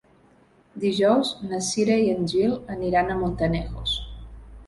Dijous na Cira i en Gil aniran a Montanejos.